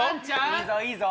いいぞいいぞ！